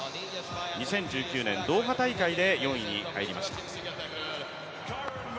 ２０１９年ドーハ大会で４位に入りました。